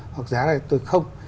hoặc giá này tôi không